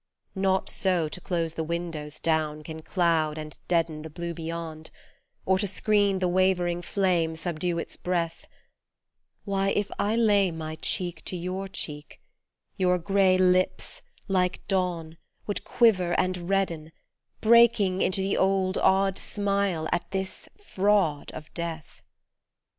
Not so to close the windows down can cloud and deaden The blue beyond : or to screen the wavering flame subdue its breath : Why, if I lay my cheek to your cheek, your grey lips, like dawn, would quiver and redden, Breaking into the old, odd smile at this fraud of death.